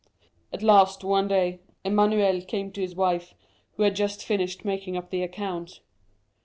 At last, one day, Emmanuel came to his wife, who had just finished making up the accounts.